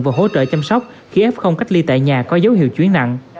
và hỗ trợ chăm sóc khi f cách ly tại nhà có dấu hiệu chuyển nặng